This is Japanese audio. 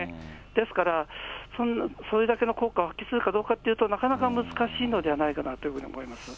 ですから、それだけの効果を発揮するかどうかっていうと、なかなか難しいのではないかなというふうに思います。